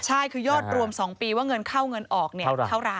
ใช่คือยอดรวม๒ปีว่าเงินเข้าเงินออกเท่าไหร่